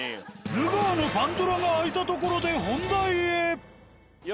ヌガーのパンドラが開いたところで本題へ。